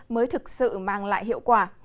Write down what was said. mới thực sự mang lại hiệu quả